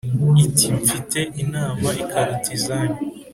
Iti : Mfite inama ikaruta izanyu.